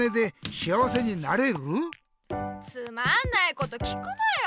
つまんないこと聞くなよ。